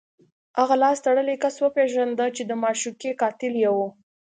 هغه لاس تړلی کس وپېژنده چې د معشوقې قاتل یې و